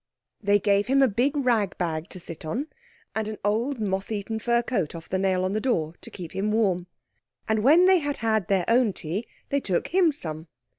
They gave him a big rag bag to sit on, and an old, moth eaten fur coat off the nail on the door to keep him warm. And when they had had their own tea they took him some.